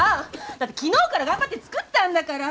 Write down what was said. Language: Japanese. だって昨日から頑張って作ったんだから！